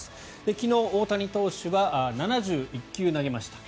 昨日、大谷投手は７１球投げました。